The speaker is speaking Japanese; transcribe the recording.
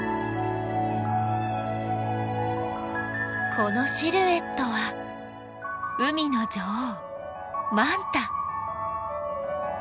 このシルエットは海の女王マンタ。